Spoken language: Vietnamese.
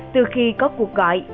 từ khi có cuộc gọi